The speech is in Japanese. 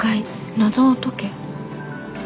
「謎を解け」。